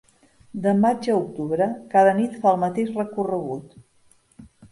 De maig a octubre, cada nit fa el mateix recorregut.